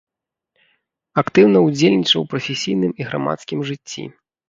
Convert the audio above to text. Актыўна ўдзельнічаў у прафесійным і грамадскім жыцці.